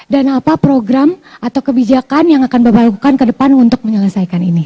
dan apa program atau kebijakan yang akan bapak lakukan ke depan untuk menyelesaikan ini